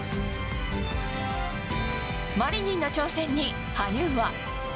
マリニンの挑戦に、羽生は。